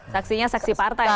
saksinya saksi partai